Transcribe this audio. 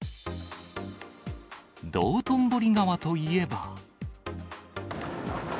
道頓堀川といえば。